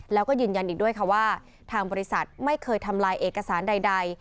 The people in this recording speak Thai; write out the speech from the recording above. แล้วก็ยืนยันอีกด้วยค่ะว่าทางบริษัทไม่เคยทำลายเอกสารใด